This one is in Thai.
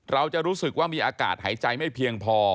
เราจะรู้สึกว่ามีอากาศหายใจไม่เพียงพอ